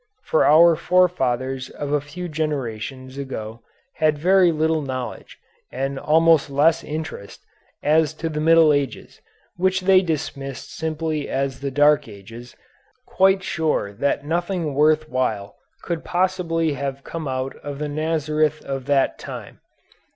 For our forefathers of a few generations ago had very little knowledge, and almost less interest, as to the Middle Ages, which they dismissed simply as the Dark Ages, quite sure that nothing worth while could possibly have come out of the Nazareth of that time.